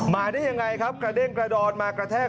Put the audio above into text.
มาได้ยังไงครับกระเด้งกระดอนมากระแทก